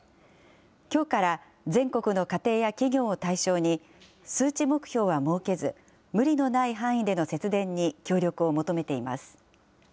きょうから全国の家庭や企業を対象に、数値目標は設けず、無理のない範囲での節電に協力を求めています。